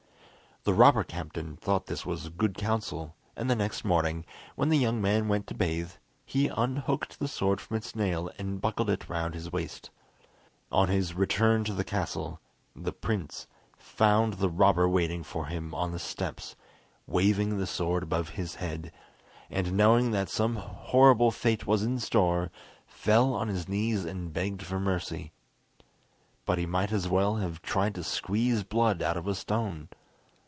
The robber captain thought this good counsel, and the next morning, when the young man went to bathe, he unhooked the sword from its nail and buckled it round his waist. On his return to the castle, the prince found the robber waiting for him on the steps, waving the sword above his head, and knowing that some horrible fate was in store, fell on his knees and begged for mercy. But he might as well have tried to squeeze blood out of a stone.